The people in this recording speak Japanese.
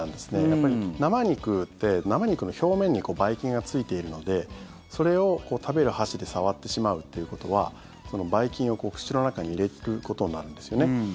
やっぱり生肉って生肉の表面にばい菌がついているのでそれを、食べる箸で触ってしまうということはばい菌を口の中に入れることになるんですよね。